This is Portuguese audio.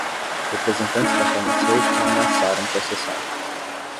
Representantes da farmacêutica ameaçaram processar